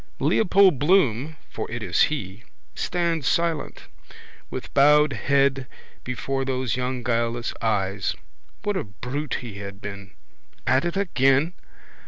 Leopold Bloom (for it is he) stands silent, with bowed head before those young guileless eyes. What a brute he had been! At it again?